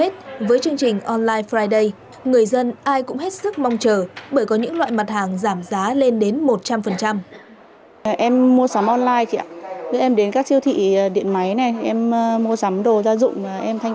trong thời gian ai cũng hết sức mong chờ bởi có những loại mặt hàng giảm giá lên đến một trăm linh